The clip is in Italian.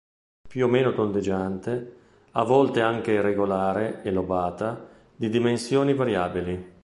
Più o meno tondeggiante, a volte anche irregolare e lobata, di dimensioni variabili.